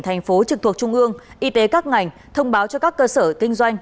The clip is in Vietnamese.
thành phố trực thuộc trung ương y tế các ngành thông báo cho các cơ sở kinh doanh